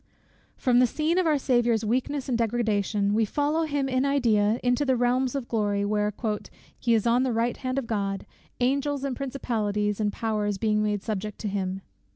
From the scene of our Saviour's weakness and degradation, we follow him, in idea, into the realms of glory, where "he is on the right hand of God; angels, and principalities, and powers being made subject unto him."